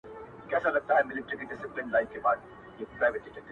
زړه چي په لاسونو کي راونغاړه_